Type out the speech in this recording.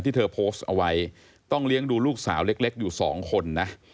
เธอโพสต์เอาไว้ต้องเลี้ยงดูลูกสาวเล็กอยู่สองคนนะ